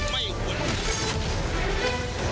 ไม่ควร